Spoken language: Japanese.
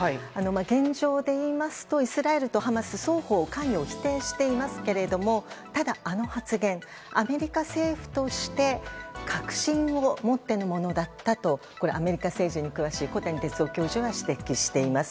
現状でいいますとイスラエルとハマスは双方、関与を否定していますがただ、あの発言アメリカ政府として確信を持ってのものだったとアメリカ政治に詳しい小谷哲男教授が指摘しています。